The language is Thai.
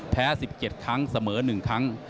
๑๗ครั้งเสมอ๑ครั้ง